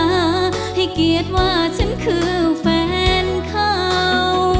ออกฉันออกหน้าออกตาให้เกียรติว่าฉันคือแฟนเข้า